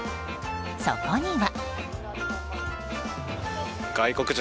そこには。